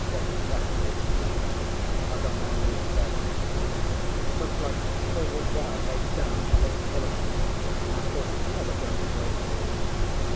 Exactly! The other man had said: ŌĆ£It looked like a silver wire laid down along the bulwarks, and I thought it was never going to break.